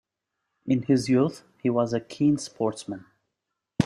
In his youth, he was a keen sportsman.